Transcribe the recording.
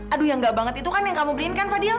aduh yang enggak banget itu kan yang kamu beliin kan fadil